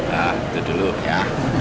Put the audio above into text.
nah itu dulu ya